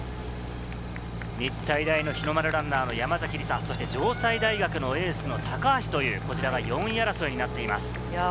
日体大の日の丸ランナーの山崎りさ、城西大学のエースの高橋という４位争いになっています。